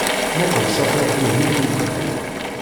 Muqel s afrux-ihin yufgen.